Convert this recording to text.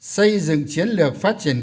xây dựng chiến lược phát triển